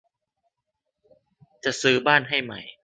จะซื้อบ้านใหม่ให้